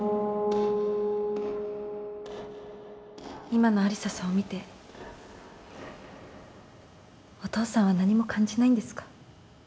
今の有沙さんを見てお父さんは何も感じないんですか？